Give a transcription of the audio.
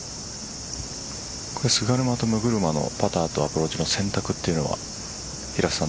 菅沼と六車のパターとアプローチの選択というのは平瀬さん